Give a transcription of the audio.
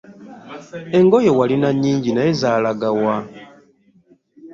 Engoye walina nnyingi naye zonna zaalaga wa?